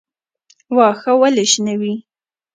واښه ولې شنه وي؟